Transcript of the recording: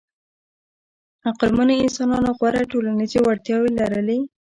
عقلمنو انسانانو غوره ټولنیزې وړتیاوې لرلې.